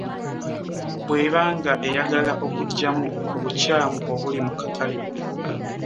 Bw'eba nga eyagala okuggyamu obukyamu obuli ku katale.